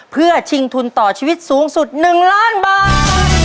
เพื่อชิงทุนต่อชีวิตสูงสุด๑ล้านบาท